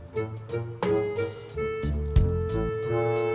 gang mbak dona ada